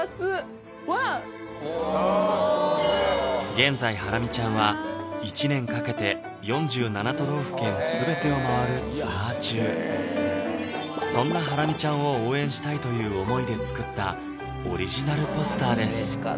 現在ハラミちゃんは１年かけて４７都道府県全てを回るツアー中そんなハラミちゃんを応援したいという思いで作ったオリジナルポスターです